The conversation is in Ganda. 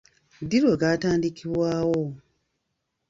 Ddi lwe gaatandikibwawo?